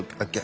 あ！